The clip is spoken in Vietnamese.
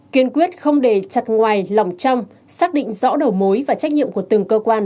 kiên quyết không để chặt ngoài lòng trong xác định rõ đầu mối và trách nhiệm của từng cơ quan